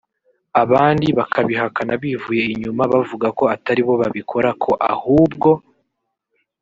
abandi bakabihakana bivuye inyuma bavuga ko ataribo babikora ko ahubwo